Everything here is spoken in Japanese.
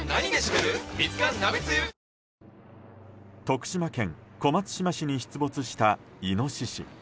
徳島県小松島市に出没したイノシシ。